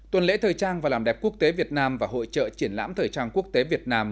tuần lễ thời trang và làm đẹp quốc tế việt nam và hội trợ triển lãm thời trang quốc tế việt nam